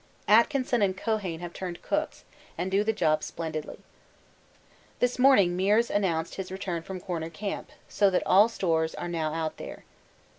Atkinson and Keohane have turned cooks, and do the job splendidly. This morning Meares announced his return from Corner Camp, so that all stores are now out there.